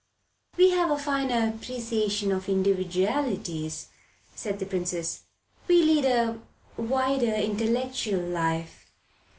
"We have a finer appreciation of our individualities," said the Princess. "We lead a wider intellectual life.